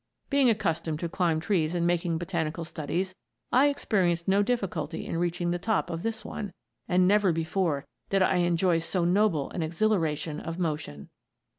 Being accustomed to climb trees in making botanical studies, I experienced no difficulty in reaching the top of this one, and never before did I enjoy so noble an exhilaration of motion."